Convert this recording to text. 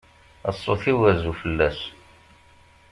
A ṣṣut-iw rzu fell-as.